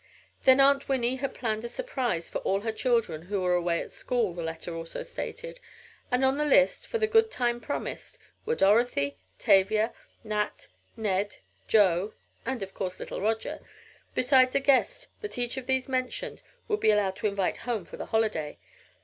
Then Aunt Winnie had planned a surprise for all her children who were away at school, the letter also stated, and on the list, for the good time promised, were Dorothy, Tavia, Nat, Ned, Joe (and of course little Roger), besides a guest that each of these mentioned would be allowed to invite home for the holiday.